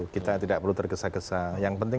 kita tidak perlu tergesa gesa yang penting